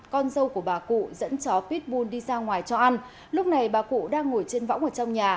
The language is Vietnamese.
con dâu của bà cụ dẫn chó pitul đi ra ngoài cho ăn lúc này bà cụ đang ngồi trên võng ở trong nhà